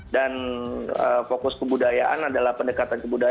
dan fokus kebudayaan adalah pendekatan ke budaya